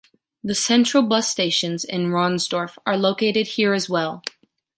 The central bus stations in Ronsdorf are located here as well.